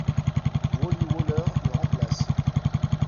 Wally Waller le remplace.